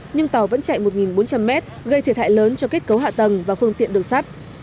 nhưng tàu vẫn chạy một bốn trăm linh mét gây thiệt hại lớn cho kết cấu hạ tầng và phương tiện đường sắt